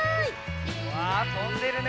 うわっとんでるね。